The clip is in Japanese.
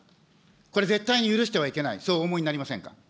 これ、絶対に許してはいけない、そうお思いになりませんか。